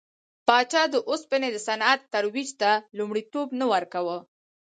پاچا د اوسپنې د صنعت ترویج ته لومړیتوب نه ورکاوه.